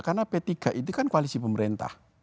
karena p tiga itu kan koalisi pemerintah